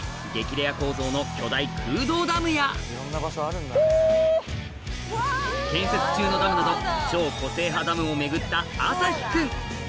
レア構造の巨大空洞ダムや建設中のダムなど超個性派ダムを巡った旭君